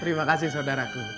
terima kasih sodara ku